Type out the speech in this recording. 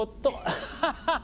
アッハハハ！